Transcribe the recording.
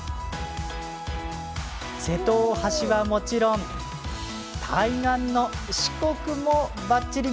瀬戸大橋はもちろん対岸の四国も、ばっちり。